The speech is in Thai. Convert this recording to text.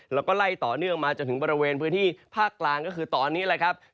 แล้วก็ไล่ต่อเนื่องมาจนถึงบริเวณพื้นที่ภาคกลางก็คือตอนนี้แหละครับ